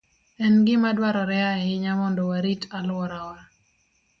En gima dwarore ahinya mondo warit alworawa.